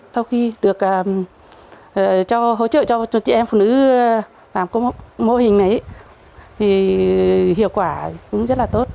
sau khi được hỗ trợ cho chị em phụ nữ làm công mô hình này thì hiệu quả cũng rất là tốt